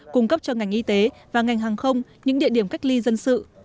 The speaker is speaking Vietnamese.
cung cấp cho ngành y tế và ngành hàng không những địa điểm cách ly dân sự